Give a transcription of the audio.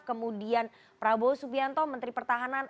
kemudian prabowo subianto menteri pertahanan